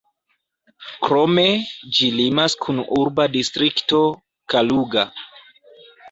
Krome, ĝi limas kun urba distrikto Kaluga.